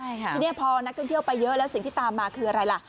ใช่ค่ะทีนี้พอนักท่องเที่ยวไปเยอะแล้วสิ่งที่ตามมาคืออะไรล่ะ